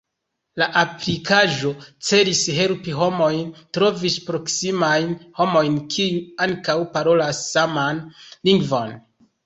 La aplikaĵo celis helpi homojn trovi proksimajn homojn kiuj ankaŭ parolas la saman lingvon.